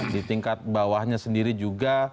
di tingkat bawahnya sendiri juga